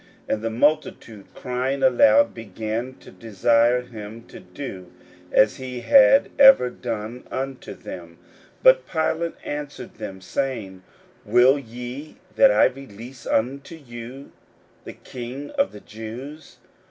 41:015:008 And the multitude crying aloud began to desire him to do as he had ever done unto them. 41:015:009 But Pilate answered them, saying, Will ye that I release unto you the King of the Jews?